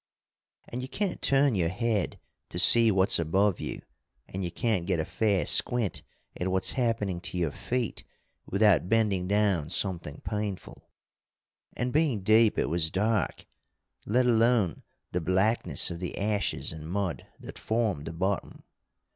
And you can't turn your head to see what's above you, and you can't get a fair squint at what's happening to your feet without bending down something painful. And being deep it was dark, let alone the blackness of the ashes and mud that formed the bottom.